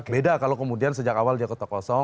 beda kalau kemudian sejak awal dia kotak kosong